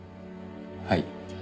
はい。